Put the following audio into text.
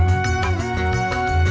naik naik naik